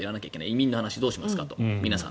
移民の話もどうしますかと。